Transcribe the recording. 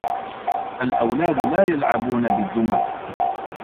الأولاد لا يلعبون بالدّمى.